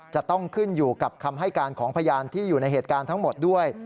จะต้องขึ้นอยู่กับคำให้การของพยานที่อยู่ในเหตุการณ์ทั้งหมดด้วย